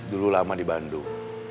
dulu lama di bandung